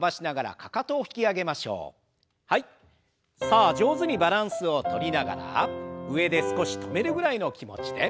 さあ上手にバランスをとりながら上で少し止めるぐらいの気持ちで。